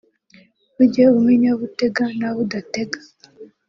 “ujye umenya abo utega nabo udatega”